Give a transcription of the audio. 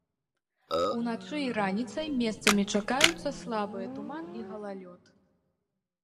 Уначы і раніцай месцамі чакаюцца слабыя туман і галалёд.